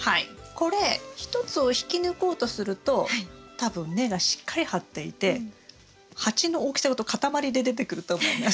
これ１つを引き抜こうとすると多分根がしっかり張っていて鉢の大きさごと塊で出てくると思います。